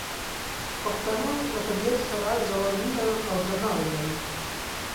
پښتانه له طبیعت سره ژوره مینه او درناوی لري.